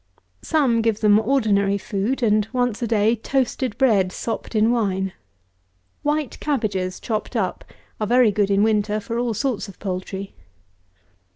Some give them ordinary food, and, once a day, toasted bread sopped in wine. White cabbages chopped up are very good in winter for all sorts of poultry.